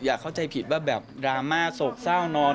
อยากเข้าใจผิดแบบรามาโสกเศร้านอน